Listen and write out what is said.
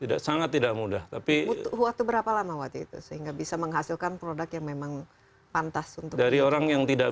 tidak mudah sangat tidak mudah waktu berapa lama waktu itu sehingga bisa menghasilkan produk yang memang pantas untuk membuat